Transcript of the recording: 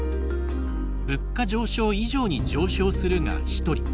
「物価上昇以上に上昇する」が１人。